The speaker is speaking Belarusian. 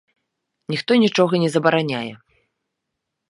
Ніхто нічога не забараняе.